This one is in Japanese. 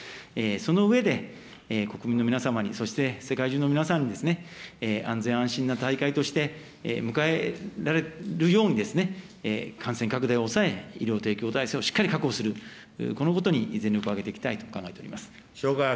その上で、国民の皆様に、そして世界中の皆さんに、安全安心な大会として迎えられるように、感染拡大を抑え、医療提供体制をしっかり確保する、このことに全力を挙げていきたいと考えております。